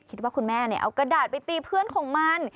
คิดว่าคุณแม่เอากระดาษไปตีเพื่อนของมัน